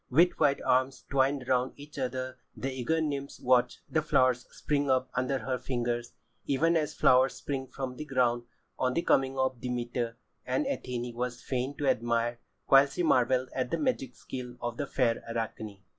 With white arms twined round each other the eager nymphs watched the flowers spring up under her fingers, even as flowers spring from the ground on the [Pg 84] coming of Demeter, and Athené was fain to admire, while she marvelled at the magic skill of the fair Arachne.